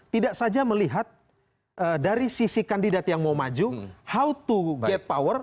tidak saja melihat dari sisi kandidat yang mau maju how to get power